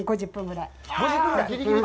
５０分ぐらい。